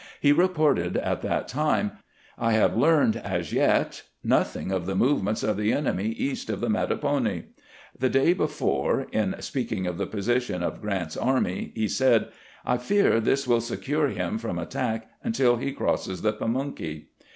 He reported at that time :" I have learned, as yet, nothing of the movements of the enemy east of the Mattapony." The day before, in speaking of the position of Grant's army, he said :" I fear [this] wiU secure him from attack until he crosses the Pamunkey."